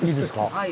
はい。